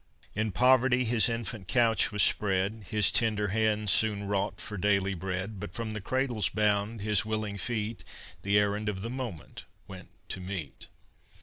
In poverty his infant couch was spread; His tender hands soon wrought for daily bread; But from the cradle's bound his willing feet The errand of the moment went to meet.